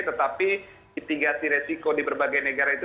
tetapi mitigasi resiko di berbagai negara itu